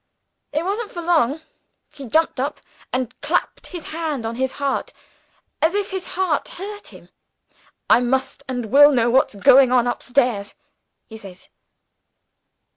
It wasn't for long. He jumped up, and clapped his hand on his heart as if his heart hurt him. 'I must and will know what's going on upstairs,' he says.